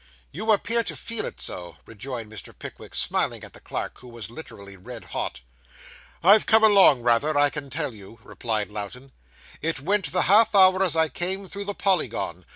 'You appear to feel it so,' rejoined Mr. Pickwick, smiling at the clerk, who was literally red hot. 'I've come along, rather, I can tell you,' replied Lowten. 'It went the half hour as I came through the Polygon.